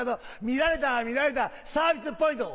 見られた見られたサービスポイント。